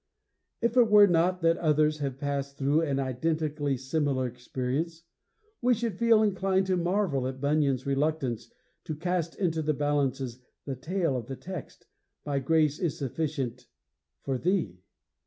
If it were not that others have passed through an identically similar experience, we should feel inclined to marvel at Bunyan's reluctance to cast into the balances the tail of the text: _My grace is sufficient for thee!